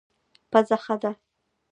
پزه ښه ده.